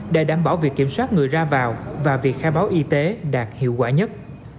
để đảm bảo việc kiểm soát người ra vào và việc khai báo y tế đạt hiệu quả nhất